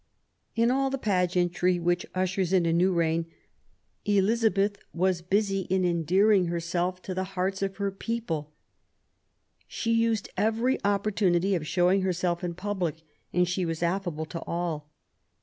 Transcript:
In all the pageantry which ushers in a new reign, Elizabeth was busy in endearing herself to the hearts of her people, she used every opportunity of showing herself in public, and she was affable to all.